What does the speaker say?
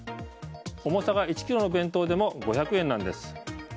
重さが１ｋｇの弁当でも５００円なんです。